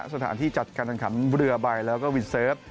สถานที่จัดการแข่งขันเรือใบแล้วก็วินเซิร์ฟ